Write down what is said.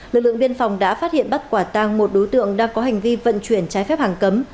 lực lượng biên phòng đã phát hiện bắt quả tang một đối tượng đang có hành vi vận chuyển trái phép hàng cấm